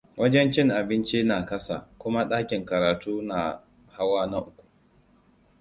Wajen cin abinci na kasa kuma dakin karatu na hawa na uku.